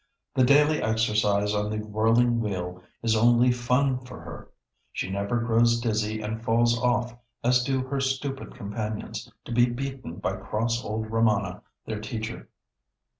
The daily exercise on the whirling wheel is only fun for her. She never grows dizzy and falls off as do her stupid companions, to be beaten by cross old Ramana, their teacher.